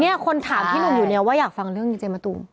เนี่ยคนถามที่หนูอยู่เนี่ยว่าอยากฟังเรื่องอย่างนี้เจมส์มะตูม